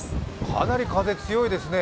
かなり風が強いですね。